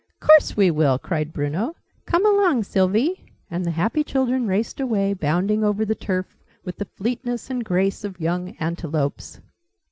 "Course we will!" cried Bruno. "Come along, Sylvie!" And the happy children raced away, bounding over the turf with the fleetness and grace of young antelopes.